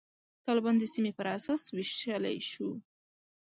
طالبان د سیمې پر اساس ویشلای شو.